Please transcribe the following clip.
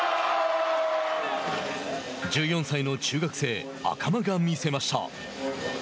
１４歳の中学生赤間が見せました。